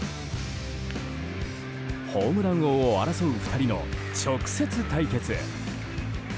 ホームラン王を争う２人の直接対決。